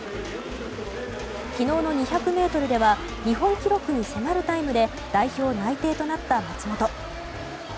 昨日の２００ｍでは日本記録に迫るタイムで代表内定となった松元。